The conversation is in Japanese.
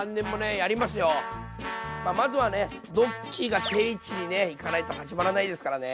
まあまずはねドッキーが定位置に行かないと始まらないですからね。